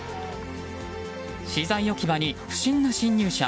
資材置き場に不審な侵入者。